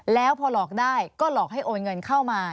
แล้วพอหลอกได้ก็หลอกให้โอนเงินเข้ามา